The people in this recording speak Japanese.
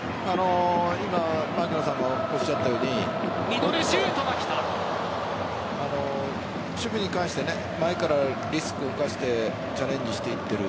今槙野さんがおっしゃったように守備に関して前からリスクを冒してチャレンジしていっている。